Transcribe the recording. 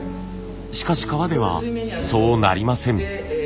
しかし革ではそうなりません。